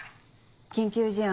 緊急事案